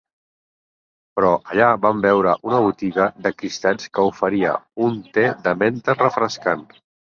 Però allà van veure una botiga de cristalls que oferia un te de menta refrescant.